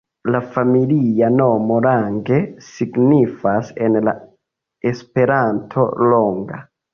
La familia nomo Lange signifas en en Esperanto ’’’longa’’’.